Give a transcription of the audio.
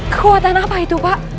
kekuatan apa itu pak